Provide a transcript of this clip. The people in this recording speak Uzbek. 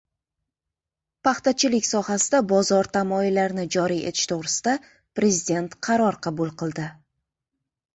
Paxtachilik sohasida bozor tamoyillarini joriy etish to‘g‘risida Prezident qaror qabul qildi